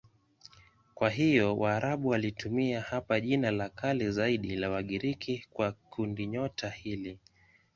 Kwa hiyo Waarabu walitumia hapa jina la kale zaidi la Wagiriki kwa kundinyota hili.